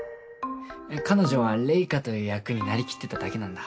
彼女はレイカという役になりきってただけなんだ。